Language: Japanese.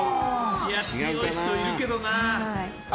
強い人いるけどな。